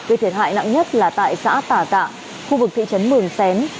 cái thiệt hại nặng nhất là tại xã tà cạ khu vực thị trấn mường xén